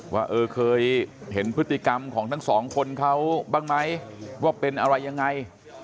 ว่าเออเคยเห็นพฤติกรรมของทั้งสองคนเขาบ้างไหมว่าเป็นอะไรยังไง